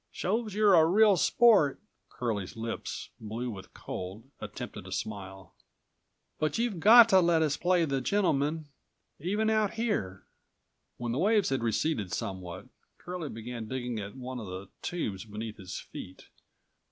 "Shows you're a real sport," Curlie's lips, blue with cold, attempted a smile, "but you've217 got to let us play the gentleman, even out here." When the waves had receded somewhat, Curlie began digging at one of the tubes beneath his feet.